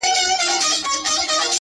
ټولي دنـيـا سره خــبري كـــوم ـ